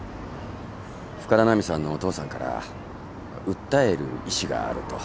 深田奈美さんのお父さんから訴える意思があると。